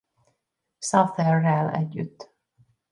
Southerrel együtt.